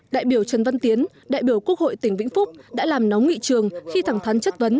đại biểu trần văn tiến đại biểu quốc hội tỉnh vĩnh phúc đã làm nóng nghị trường khi thẳng thắn chất vấn